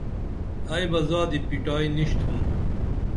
ائی بہ زادی پِٹائی نِشِتُھم